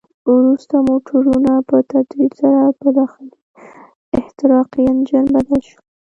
وروسته موټرونه په تدریج سره په داخلي احتراقي انجن بدل شول.